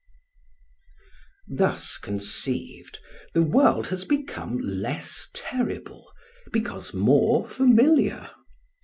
Thus conceived, the world has become less terrible because more familiar.